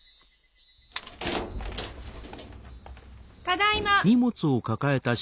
ただいま。